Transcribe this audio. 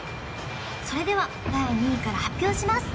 それでは第２位から発表します